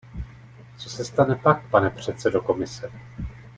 Co se stane pak, pane předsedo Komise?